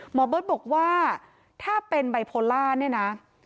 หมอเบิร์ตบอกว่าถ้าเป็นบายโพล่า